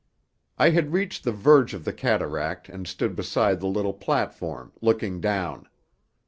I had reached the verge of the cataract and stood beside the little platform, looking down.